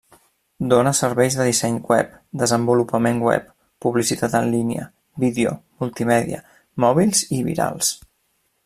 Dóna serveis de disseny web, desenvolupament web, publicitat en línia, vídeo, multimèdia, mòbils i virals.